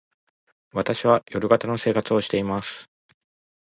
私は夜型の生活をしています。